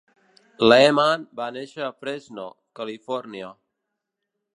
Lehman va néixer a Fresno, Califòrnia.